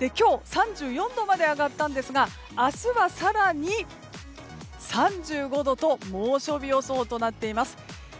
今日、３４度まで上がったんですが明日は更に３５度と猛暑日予想となっています。